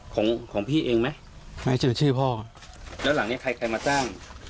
ของของพี่เองไหมไม่เจอชื่อพ่อแล้วหลังเนี้ยใครใครมาจ้าง